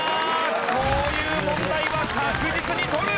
こういう問題は確実に取る！